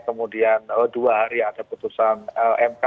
kemudian dua hari ada putusan mk